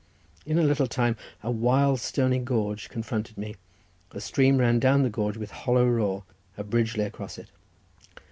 In a little time, a wild stony gorge confronted me, a stream ran down the gorge with hollow roar, a bridge lay across it.